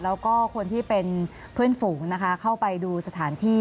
แล้วก็คนที่เป็นเพื่อนฝูงนะคะเข้าไปดูสถานที่